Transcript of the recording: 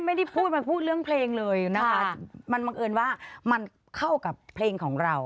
ไม่ได้พูดมันพูดเรื่องเพลงเลยนะคะมันบังเอิญว่ามันเข้ากับเพลงของเรา